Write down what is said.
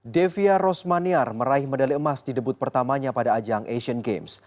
devia rosmaniar meraih medali emas di debut pertamanya pada ajang asian games